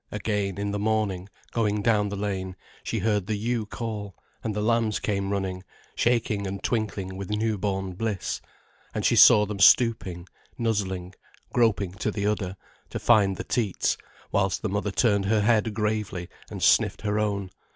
Again, in the morning, going down the lane, she heard the ewe call, and the lambs came running, shaking and twinkling with new born bliss. And she saw them stooping, nuzzling, groping to the udder, to find the teats, whilst the mother turned her head gravely and sniffed her own.